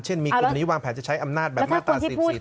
เช่นมีกลุ่มนี้วางแผนจะใช้อำนาจแบบมาตราสีบสี่ต่อ